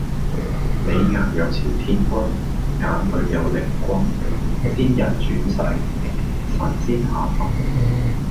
你額有朝天骨，眼裡有靈光，仙人轉世，神仙下凡